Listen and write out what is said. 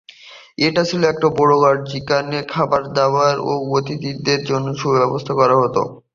এটা ছিল একটা বড় ঘর, যেখানে খাবারদাবার ও অতিথিদের জন্য থাকার ব্যবস্থা করা হতো।